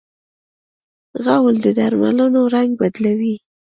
غول د درملو رنګ بدلوي.